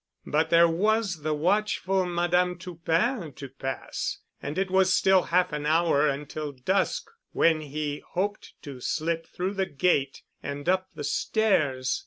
But there was the watchful Madame Toupin to pass and it was still half an hour until dusk when he hoped to slip through the gate and up the stairs.